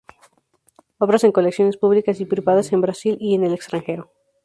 Obras en colecciones públicas y privadas en Brasil y en el extranjero.